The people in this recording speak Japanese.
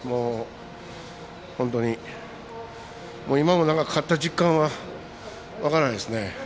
本当に、今も勝った実感はわかないですね。